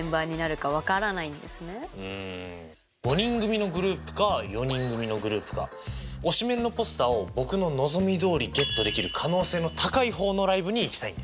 ５人組のグループか４人組のグループか推しメンのポスターを僕の望みどおりゲットできる可能性の高い方のライブに行きたいんです。